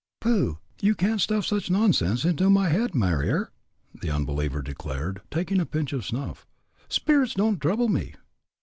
"Pooh! you can't stuff such nonsense into my head, Marier," the unbeliever declared, taking a pinch of snuff. "Speerits don't trouble me."